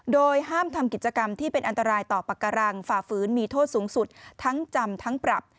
โดยห้ามทำกิจกรรมที่เป็นอันตรายต่อปากการังฝ่าฝืนมีโทษสูงสุดทั้งจำทั้งปรับ